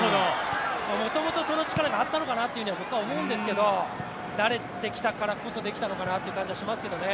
もともとその力があったのかなと僕は思うんですけど慣れてきたからこそできたのかなって思いますけどね。